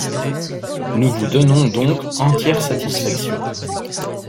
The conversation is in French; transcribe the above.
Nous vous donnons donc entière satisfaction.